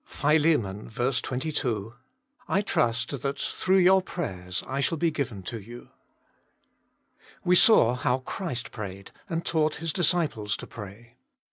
Philem. 22 : PAUL A PATTERN OF PRAYER 165 " I trust that through your prayers I shall be given to you." We saw how Christ prayed, and taught His disciples to pray.